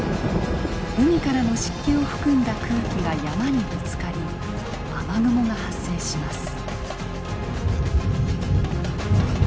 海からの湿気を含んだ空気が山にぶつかり雨雲が発生します。